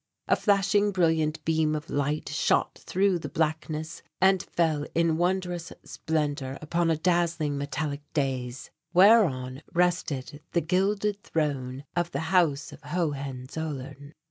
A flashing brilliant beam of light shot through the blackness and fell in wondrous splendour upon a dazzling metallic dais, whereon rested the gilded throne of the House of Hohenzollern.